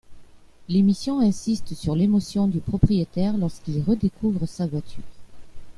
L'émission insiste sur l'émotion du propriétaire lorsqu'il redécouvre sa voiture.